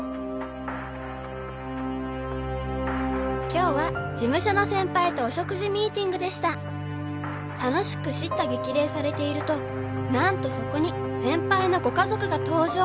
「今日は事務所の先輩とお食事ミーティングでしたっ！」「楽しく叱咤激励されているとなんとそこに先輩のご家族が登場！！」